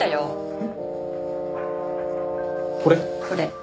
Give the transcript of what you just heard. これ？